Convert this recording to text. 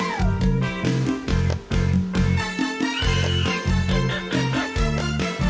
เอ้าคุณผู้ชมครับหมดเวลาของเราแล้ว